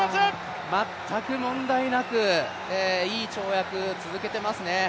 全く問題なく、いい跳躍を続けていますね。